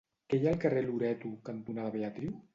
Què hi ha al carrer Loreto cantonada Beatriu?